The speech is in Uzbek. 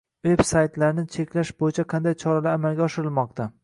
veb-saytlarni cheklash bo’yicha qanday choralar amalga oshirilmoqda?